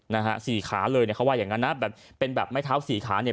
นะฮะสี่ขาเลยเนี่ยเขาว่าอย่างงั้นนะแบบเป็นแบบไม้เท้าสี่ขาเนี่ย